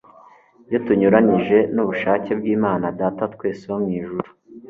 iyo tunyuranije n'ubushake bw'Imana Data wa twese wo mu ijuru.